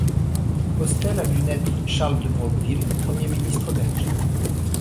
Postel a vu naître Charles de Broqueville, premier ministre belge.